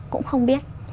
cũng không biết